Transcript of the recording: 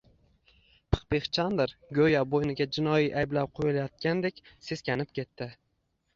Pixpix Chandr go‘yo bo‘yniga jinoiy ayblov qo‘yilayotgandek seskanib ketdi